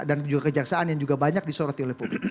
dan juga kejaksaan yang juga banyak disoroti oleh publik